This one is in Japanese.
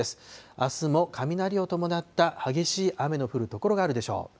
あすも雷を伴った激しい雨の降る所があるでしょう。